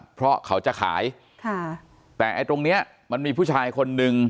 เพราะเขาจะขายแต่ตรงนี้มันมีผู้ชายคนหนึ่ง